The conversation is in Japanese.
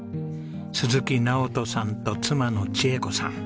鈴木直登さんと妻の智恵子さん。